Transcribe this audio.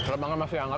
lemangnya masih hangat